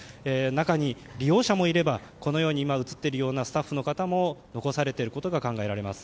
中に、利用者もいれば映っているようなスタッフの方も残されていることが考えられます。